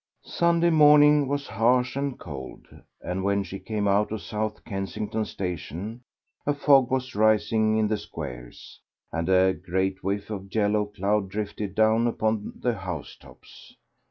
Sunday morning was harsh and cold, and when she came out of South Kensington Station a fog was rising in the squares, and a great whiff of yellow cloud drifted down upon the house tops.